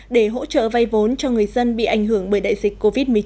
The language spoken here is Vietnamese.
để hỗ trợ vay vốn cho người dân bị ảnh hưởng bởi đại dịch covid một mươi chín